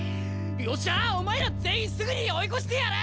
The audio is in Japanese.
よっしゃお前ら全員すぐに追い越してやる！